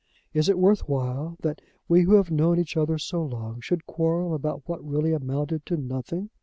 Is it worth while that we who have known each other so long should quarrel about what really amounted to nothing?